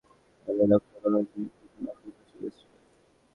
শিল্পী কাইয়ুম চৌধুরীকে শ্রদ্ধা জানিয়ে নকশা করা হয়েছে প্রথমা প্রকাশনের স্টলের।